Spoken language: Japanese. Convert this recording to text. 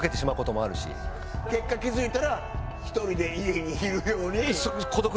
結果気付いたら１人で家にいるように。